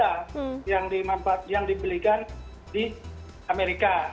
hampir tujuh ratus lima puluh juta yang dibelikan di amerika